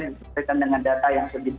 berkaitan dengan data yang sedikit